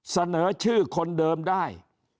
เสนอชื่อคนเดิมได้